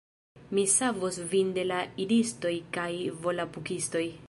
Mi savos vin de la Idistoj kaj Volapukistoj